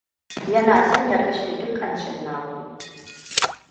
Yana son ya kashe dukkan cinnaku.